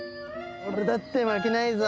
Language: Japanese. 俺だって負けないぞ。